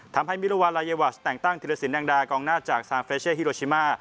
ทำให้มิรวรรณรายวาสแต่งตั้งธีรศิลป์แดงดากองหน้าจากฮิโรชิม่า